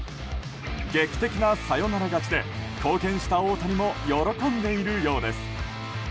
劇的なサヨナラ勝ちで貢献した大谷も喜んでいるようです。